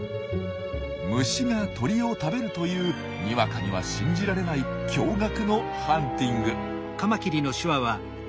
虫が鳥を食べるというにわかには信じられない驚がくのハンティング。